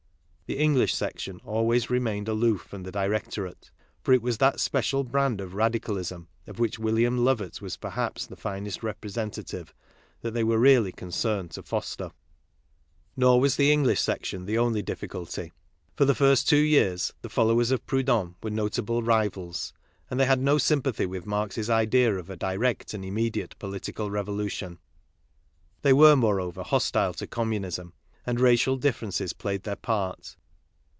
The Eng lish section always remained aloof from the directorate; for it was that special brand of Radicalism of which William Lovett was perhaps the finest representative that they were really conc'erned to foster. Nor was the 22 KARL MARX English section the only difficulty. For the first two years, the followers of Proudhon were notable rivals, and they had no sympathy with Marx's idea of a direct and immediate political revolution. They were, more over, hostile to Communism; and racial differences played their part.